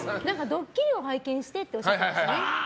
ドッキリを拝見してっておっしゃってましたね。